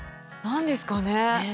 何ですかね？